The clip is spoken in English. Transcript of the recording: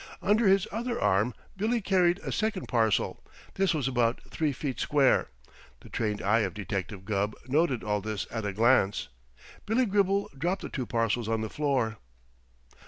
Under his other arm, Billy carried a second parcel. This was about three feet square. The trained eye of Detective Gubb noted all this at a glance. Billy Gribble dropped the two parcels on the floor.